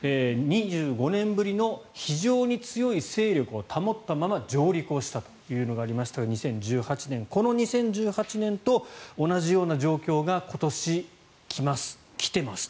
２５年ぶりの非常に強い勢力を保ったまま上陸したというのがありましたが２０１８年、この２０１８年と同じような状況が今年、来ます。